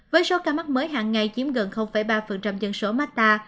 với số ca mắc mới hàng ngày chiếm gần ba dân số mata